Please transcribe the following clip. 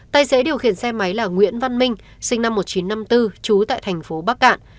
tài xế điều khiển xe máy là nguyễn văn minh sinh năm một nghìn chín trăm năm mươi bốn trú tại thành phố bắc cạn